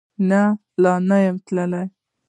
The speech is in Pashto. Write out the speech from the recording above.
نه، لا نه یم تللی